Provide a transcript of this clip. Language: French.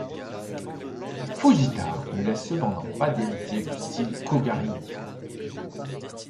Fujita ne laisse cependant pas d'héritier du style Kōga-ryū.